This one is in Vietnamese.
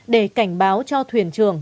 để cảnh báo cho thuyền trường